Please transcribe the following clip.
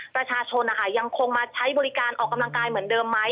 ประชาชนยังคงมาใช้บริการออกกำลังกายเหมือนเดิมไหม